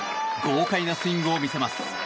豪快なスイングを見せます。